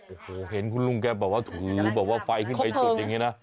โอ้โหเห็นคุณลุงแกแบบว่าถูแบบว่าไฟขึ้นไปจุดอย่างนี้นะ